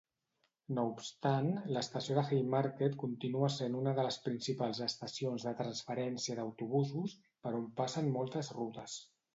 No obstant, l'estació de Haymarket continua sent una de les principals estacions de transferència d'autobusos, per on passen moltes rutes.